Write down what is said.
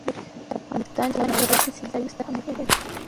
د افغانستان جغرافیه کې سیلاني ځایونه ستر اهمیت لري.